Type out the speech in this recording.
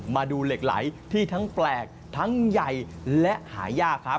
มาดูเหล็กไหล่ที่ทั้งแปลกทั้งใหญ่